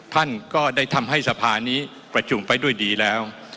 ท่านก็ได้ทำให้สภานี้ประชุมไปด้วยดีแล้ว